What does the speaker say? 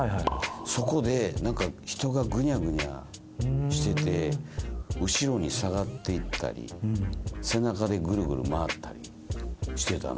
そこで人がグニャグニャしてて後ろに下がっていったり背中でグルグル回ったりしてたの。